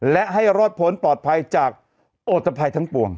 และให้รอดพ้นปลอดภัยจากโอตภัยทั้งปวง